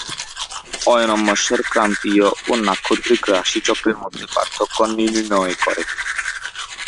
অয়নম্বরশ ক্রান্তীয় ও নাক্ষত্রিক রাশিচক্রের মধ্যে পার্থক্য নির্ণয় করে।